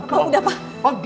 papa udah pak